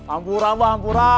ampura mbah ampura